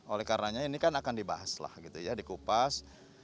oleh karena ini kan akan dibahas dikupas